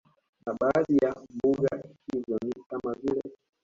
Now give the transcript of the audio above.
Na baadhi ya mbuga hizo ni kama vile